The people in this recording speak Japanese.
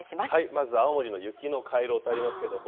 まず青森の雪の回廊とありますけれども。